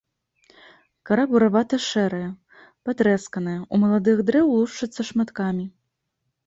Кара буравата-шэрая, патрэсканая, у маладых дрэў лушчыцца шматкамі.